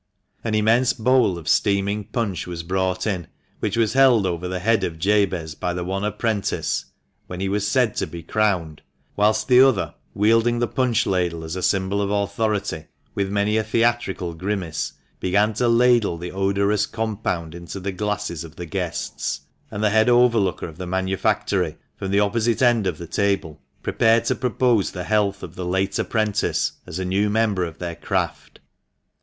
An immense bowl of steaming punch was brought in, which was held over the head of Jabez by the one apprentice (when he was said to be crowned), whilst the other, wielding the punch ladle as a symbol of authority, with many a theatrical grimace, began to ladle the odorous compound into the glasses of the guests ; and the head overlooker of the manufactory, from the opposite end of the table, prepared to propose the health of the late apprentice, as a new member of their craft.